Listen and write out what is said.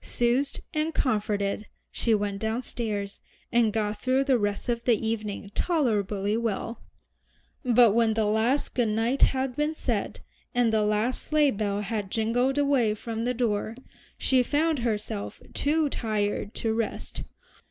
Soothed and comforted she went downstairs, and got through the rest of the evening tolerably well. But when the last good night had been said, and the last sleigh bell had jingled away from the door, she found herself too tired to rest.